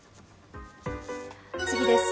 次です。